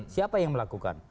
siapa yang melakukan